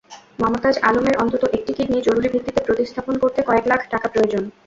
মমতাজ আলমের অন্তত একটি কিডনি জরুরি ভিত্তিতে প্রতিস্থাপন করতে কয়েক লাখ টাকা প্রয়োজন।